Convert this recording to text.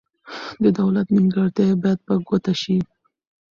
د دولت نیمګړتیاوې باید په ګوته شي.